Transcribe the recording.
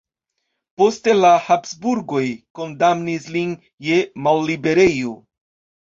Poste la Habsburgoj kondamnis lin je malliberejo.